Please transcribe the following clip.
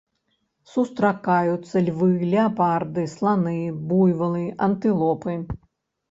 Сустракаюцца львы, леапарды, сланы, буйвалы, антылопы.